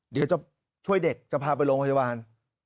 เดี๋ยวจะช่วยเด็กจะพาไปโรงพยาบาล